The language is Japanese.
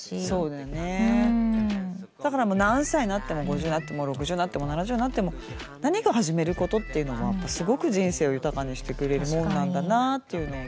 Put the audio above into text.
だから何歳になっても５０になっても６０になっても７０になっても何か始めることっていうのはすごく人生を豊かにしてくれるもんなんだなっていうのをね。